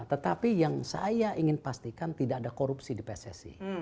tetapi yang saya ingin pastikan tidak ada korupsi di pssi